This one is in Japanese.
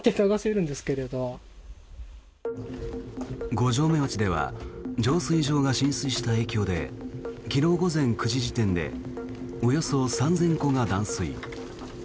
五城目町では浄水場が浸水した影響で昨日午前９時時点でおよそ３０００戸が断水。